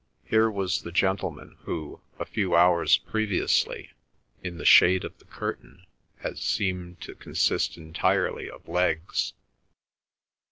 Here was the gentleman who, a few hours previously, in the shade of the curtain, had seemed to consist entirely of legs.